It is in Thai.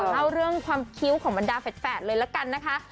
เล่าเรื่องความคิ้วของบรรดาแฝดเลยละกันนะคะ